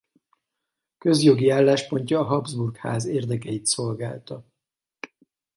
Közjogi álláspontja a Habsburg-ház érdekeit szolgálta.